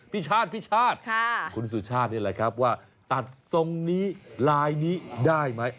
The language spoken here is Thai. พี่ชาติพี่ชาติคุณสุชาตินี่แหละครับว่าตัดทรงนี้ลายนี้ได้ไหม